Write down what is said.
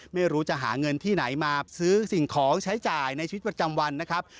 ไม่รู้จะหาเงินที่ไหนมาซื้อสิ่งของใช้จ่ายในชีวิตประจำวันนะครับ